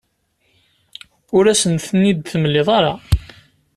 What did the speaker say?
Ur asen-ten-id-temliḍ ara.